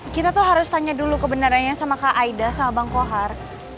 kita tuh harus tanya dulu kebenarannya sama kak aida sama bang kohar